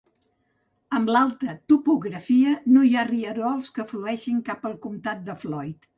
Amb l'alta topografia, no hi ha rierols que flueixin cap al comtat de Floyd.